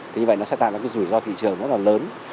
thì như vậy nó sẽ tạo ra cái rủi ro thị trường rất là lớn